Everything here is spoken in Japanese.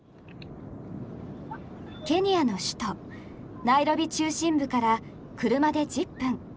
ケニアの首都ナイロビ中心部から車で１０分。